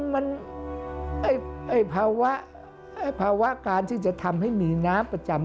มันภาวะภาวะการที่จะทำให้มีน้ำประจำ